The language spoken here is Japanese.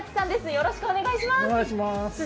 よろしくお願いします。